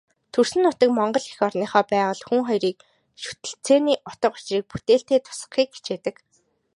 Төрсөн нутаг, Монгол эх орныхоо байгаль, хүн хоёрын шүтэлцээний утга учрыг бүтээлдээ тусгахыг хичээдэг.